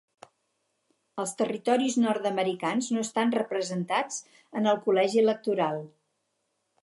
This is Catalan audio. Els territoris nord-americans no estan representats en el Col·legi Electoral.